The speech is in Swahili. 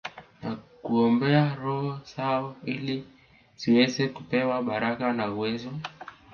Na kuombea roho zao ili ziweze kupewa baraka na uwezo